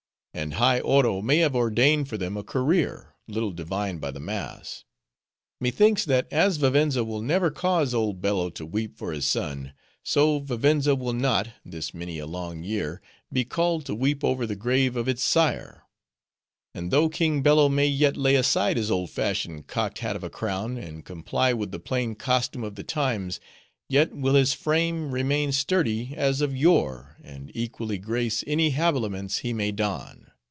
And high Oro may have ordained for them a career, little divined by the mass. Methinks, that as Vivenza will never cause old Bello to weep for his son; so, Vivenza will not, this many a long year, be called to weep over the grave of its sire. And though King Bello may yet lay aside his old fashioned cocked hat of a crown, and comply with the plain costume of the times; yet will his, frame remain sturdy as of yore, and equally grace any habiliments he may don.